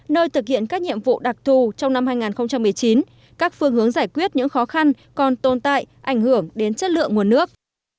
nơi thực hiện các nhiệm vụ đặc thù trong năm hai nghìn một mươi chín các phương hướng giải quyết những khó khăn còn tồn tại ảnh hưởng đến chất lượng nguồn nước